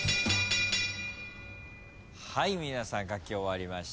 はい皆さん書き終わりました。